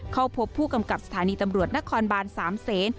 เข้าพบผู้กำกับสถานีตำรวจนครบาน๓เซน